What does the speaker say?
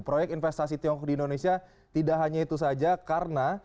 proyek investasi tiongkok di indonesia tidak hanya itu saja karena